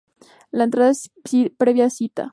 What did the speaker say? La entrada es previa cita.